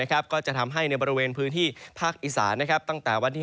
ก็จะทำให้ในบริเวณพื้นที่ภาคอีสานตั้งแต่วันที่๒